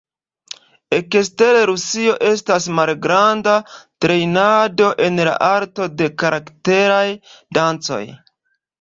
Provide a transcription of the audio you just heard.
Ekster Rusio, estas malgranda trejnado en la arto de karakteraj dancoj.